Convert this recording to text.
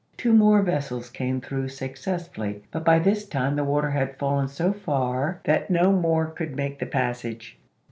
Two more vessels came through successfully, but by this time the water had fallen so far that no more could make the passage.